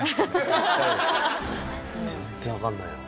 全然分かんないわ。